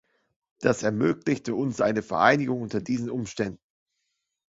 Das ermöglichte uns eine Vereinigung unter diesen Umständen.